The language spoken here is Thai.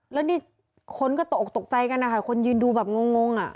แล้วนี่คนก็ตกออกตกใจกันนะคะคนยืนดูแบบงงอ่ะ